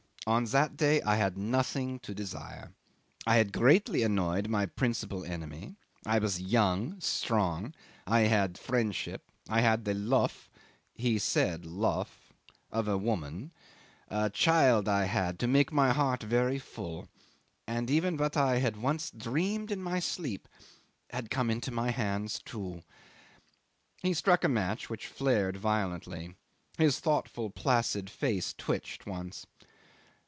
On that day I had nothing to desire; I had greatly annoyed my principal enemy; I was young, strong; I had friendship; I had the love" (he said "lof") "of woman, a child I had, to make my heart very full and even what I had once dreamed in my sleep had come into my hand too!" 'He struck a match, which flared violently. His thoughtful placid face twitched once.